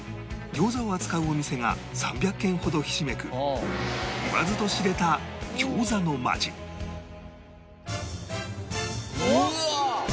餃子を扱うお店が３００軒ほどひしめく言わずと知れたうわっ！